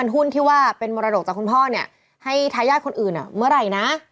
หุ้นที่ว่าเป็นมรดกจากคุณพ่อเนี่ยให้ทายาทคนอื่นเมื่อไหร่นะ